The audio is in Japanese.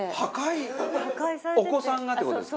お子さんがって事ですか？